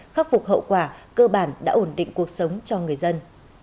khắc phục hậu quả cơ bản đã ổn định cuộc sống cho người dân